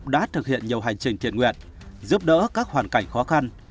đã thực hiện nhiều hành trình thiện nguyện giúp đỡ các hoàn cảnh khó khăn